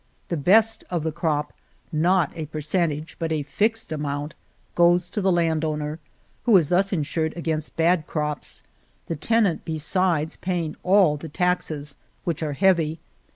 The best of the crop, not a percentage but a fixed amount, goes to the land owner, who is thus insured against bad crops, the tenant besides paying all the taxes, which are heavy.